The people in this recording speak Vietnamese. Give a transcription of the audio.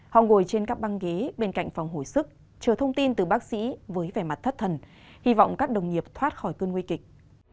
họng ngồi trên các băng ghế bên cạnh phòng hồi sức chờ thông tin từ bác sĩ với vẻ mặt thất thần hy vọng các đồng nghiệp thoát khỏi cơn nguy kịch